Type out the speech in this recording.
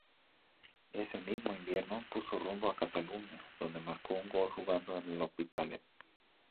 Ese mismo invierno puso rumbo a Cataluña, donde marcó un gol jugando en L´Hospitalet.